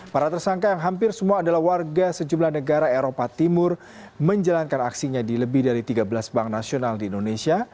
para tersangka yang hampir semua adalah warga sejumlah negara eropa timur menjalankan aksinya di lebih dari tiga belas bank nasional di indonesia